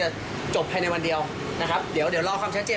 เราจะทำอะไรกันดึงเงินไกลก็แล้วแต่นะครับ